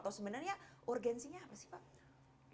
atau sebenarnya urgensinya apa sih pak